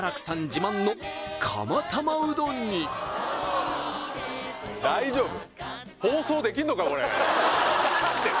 自慢の釜玉うどんに大丈夫？